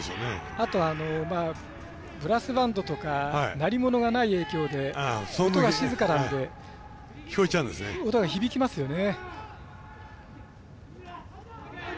あと、ブラスバンドとか鳴り物がない影響で音が静かなんで音が響きますよね。